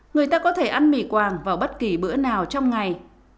người ta có thể ăn mì quàng vào bất kỳ bữa nào trong ngày